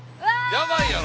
やばいやろ？